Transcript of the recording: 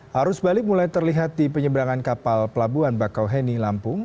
harus balik mulai terlihat di penyeberangan kapal pelabuhan bakauheni lampung